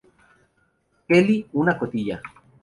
Kelly, una cotilla.